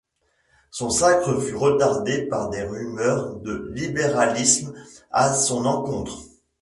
Son sacre fut retardé par des rumeurs de libéralisme à son encontre.